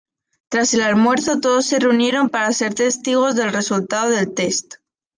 Tras el almuerzo, todos se reunieron para ser testigos de los resultados del test.